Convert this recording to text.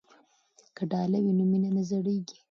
که ډالۍ وي نو مینه نه زړیږي.